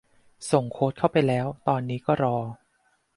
ส่งโค้ดเข้าไปแล้ว ตอนนี้ก็รอ